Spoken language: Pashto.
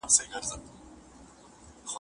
دا بله پیاله ستا وه